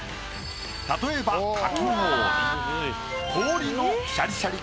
例えばかき氷。